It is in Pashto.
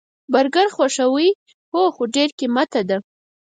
برګر خوښوئ؟ هو، خو ډیر قیمته ده